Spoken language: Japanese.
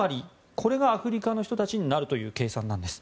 これがアフリカの人たちになるという計算なんです。